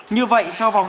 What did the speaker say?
như vậy sau vòng hai mươi